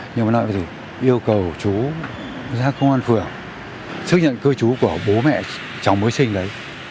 nhưng mà nói là yêu cầu chú ra công an phưởng xác nhận cư trú của bố mẹ cháu mới sinh đấy